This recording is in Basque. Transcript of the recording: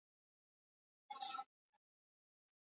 Bertan izan da alderdi jeltzalearen kanpainaren oinarrizko puntua.